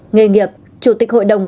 nghề nghiệp chủ tịch hội đồng